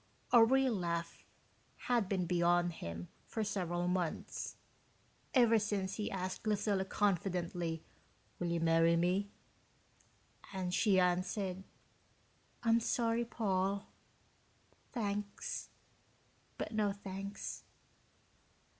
A real laugh had been beyond him for several months ever since he asked Lucilla confidently, "Will you marry me?" and she answered, "I'm sorry, Paul thanks, but no thanks."